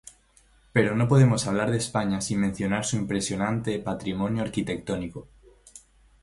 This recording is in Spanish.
Pero no podemos hablar de España sin mencionar su impresionante patrimonio arquitectónico.